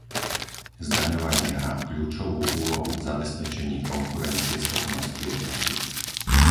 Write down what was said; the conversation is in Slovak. Zdaňovanie hrá kľúčovú úlohu v zabezpečení konkurencieschopnosti Európy.